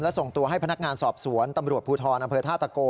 ส่งตัวให้พนักงานสอบสวนตำรวจภูทรอำเภอท่าตะโก